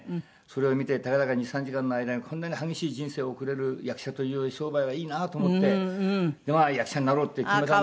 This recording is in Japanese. それを見てたかだか２３時間の間にこんなに激しい人生を送れる役者という商売はいいなと思って役者になろうって決めた。